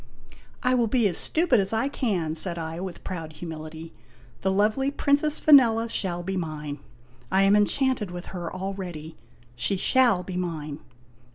" I will be as stupid as I can," said I, with proud humility. "The lovely Princess Vanella shall be mine. I am enchanted with her al ready. She shall be mine."